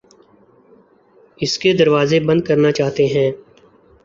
اس کے دروازے بند کرنا چاہتے ہیں